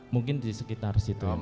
mungkin di sekitar situ yang mulia